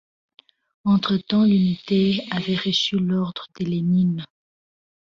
Entre-temps l'unité avait reçu l'ordre de Lénine.